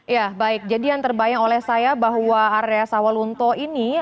ya baik jadi yang terbayang oleh saya bahwa area sawalunto ini